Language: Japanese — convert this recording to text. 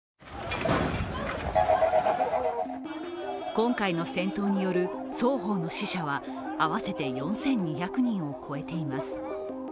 今回の戦闘による双方の死者は合わせて４２００人を超えています。